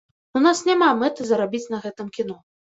У нас няма мэты зарабіць на гэтым кіно.